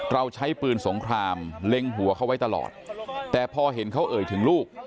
เราใช้ปืนสงครามเล็งหัวเขาไว้ตลอดแต่พอเห็นเขาเอ่ยถึงลูก